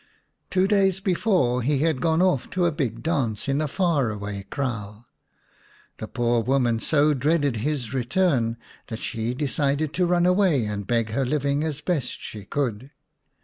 Two days before he had gone off to a big dance in a far away kraal. The poor woman so dreaded his return that she decided to run away and beg her living as best she could.